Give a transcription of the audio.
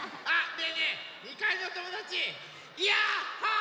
ねえねえ２かいのおともだちヤッホー！